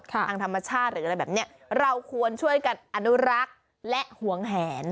ทางธรรมชาติหรืออะไรแบบนี้เราควรช่วยกันอนุรักษ์และหวงแหน